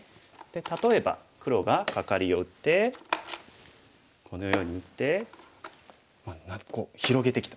例えば黒がカカリを打ってこのように打ってまあこう広げてきた。